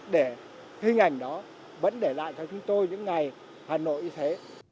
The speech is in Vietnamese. để hình ảnh đó vẫn để lại cho chúng tôi những ngày hà nội như thế